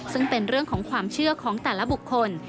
ซึ่งเป็นเรื่องของความเชื่อของแต่ละบุคคล